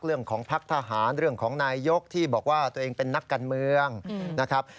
พักทหารเรื่องของนายยกที่บอกว่าตัวเองเป็นนักการเมืองนะครับ